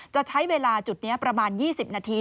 จะใช้เวลาจุดนี้ประมาณ๒๐นาที